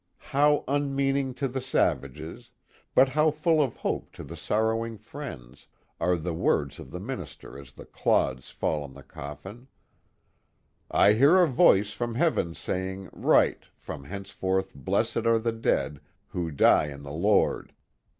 Hew unmeaning to the savages, but how full of hope to the sorrowing friends, are the words of the minister as the clods fall on the coffin :" I heard a voice from heaven saying, write, from henceforth blessed are the dead, who die in the Lord.